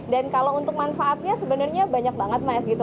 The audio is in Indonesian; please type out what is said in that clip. dan kalau untuk manfaatnya sebenarnya banyak banget mas gitu